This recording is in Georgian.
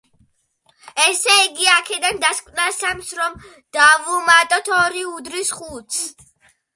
ესე იგი, აქედან დასკვნა — სამს რომ დავუმატოთ ორი უდრის ხუთს.